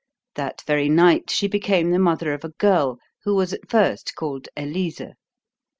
That very night she became the mother of a girl, who was at first called Elise.